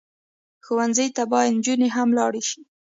ښوونځی ته باید نجونې هم لاړې شي